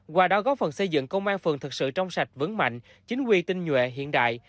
qua đó góp phần xây dựng công an phường thực sự trong sạch vững mạnh chính quy tinh nhuệ hiện đại